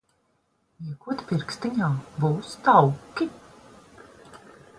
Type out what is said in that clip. Iekod pirkstiņā, būs tauki.